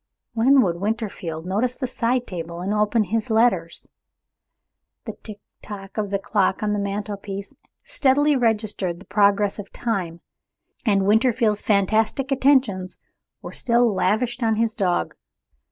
When would Winterfield notice the side table, and open his letters? The tick tick of the clock on the mantel piece steadily registered the progress of time, and Winterfield's fantastic attentions were still lavished on his dog.